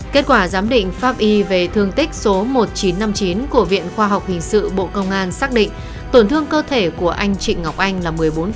kết quả giám định pháp y về thương tích số một nghìn chín trăm năm mươi chín của viện khoa học hình sự bộ công an xác định tổn thương cơ thể của anh trịnh ngọc anh là một mươi bốn